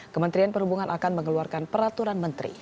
kementerian perhubungan akan mengeluarkan peraturan menteri